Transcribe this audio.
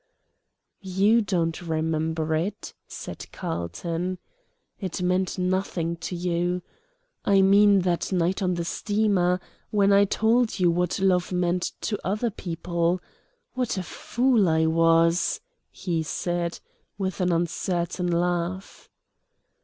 "YOU don't remember it," said Carlton. "It meant nothing to you. I mean that night on the steamer when I told you what love meant to other people. What a fool I was!" he said, with an uncertain laugh.